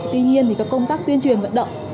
tuy nhiên thì các công tác tuyên truyền vận động